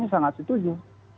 saya sangat setuju